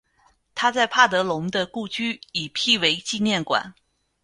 他在帕德龙的故居已辟为纪念馆。